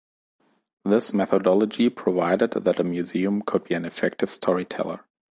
This methodology provided that a museum could be an effective storyteller.